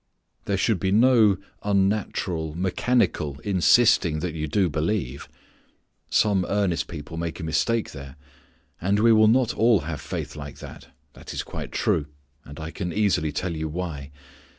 There should be no unnatural mechanical insisting that you do believe. Some earnest people make a mistake there. And we will not all have faith like that. That is quite true, and I can easily tell you why.